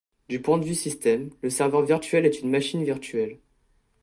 Du point de vue système, le serveur virtuel est une machine virtuelle.